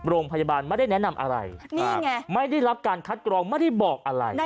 โรงพยาบาลไม่ได้แนะนำอะไรนี่ไงไม่ได้รับการคัดกรองไม่ได้บอกอะไร